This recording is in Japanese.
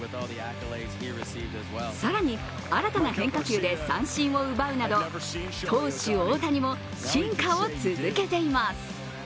更に、新たな変化球で三振を奪うなど投手・大谷も進化を続けています。